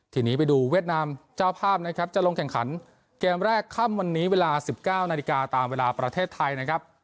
ทีนี้ไปดูเวียดนามเจ้าภาพนะครับจะลงแข่งขันเกมแรกค่ำวันนี้เวลา๑๙นาฬิกาตามเวลาประเทศไทยนะครับ